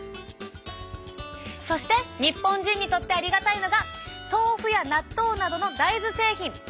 そして日本人にとってありがたいのが豆腐や納豆などの大豆製品！